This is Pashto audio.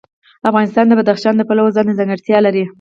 افغانستان د بدخشان د پلوه ځانته ځانګړتیا لري.